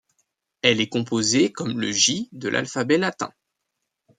Elle est composée comme le J de l’alphabet latin.